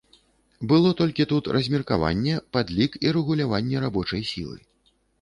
Было толькі тут размеркаванне, падлік і рэгуляванне рабочай сілы.